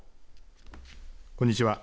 こんにちは。